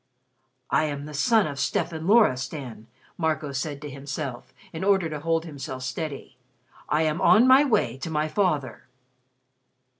"I am the son of Stefan Loristan," Marco said to himself, in order to hold himself steady. "I am on my way to my father."